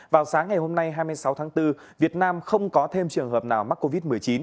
vào sáng ngày hôm nay hai mươi sáu tháng bốn việt nam không có thêm trường hợp nào mắc covid một mươi chín